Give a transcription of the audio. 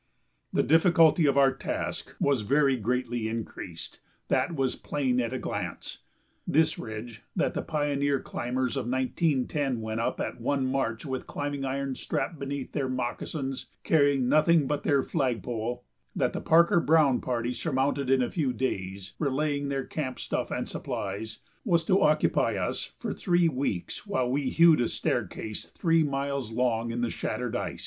The difficulty of our task was very greatly increased; that was plain at a glance. This ridge, that the pioneer climbers of 1910 went up at one march with climbing irons strapped beneath their moccasins, carrying nothing but their flagpole, that the Parker Browne party surmounted in a few days, relaying their camping stuff and supplies, was to occupy us for three weeks while we hewed a staircase three miles long in the shattered ice.